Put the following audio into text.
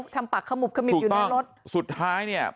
ถูกต้องสุดท้ายเนี่ย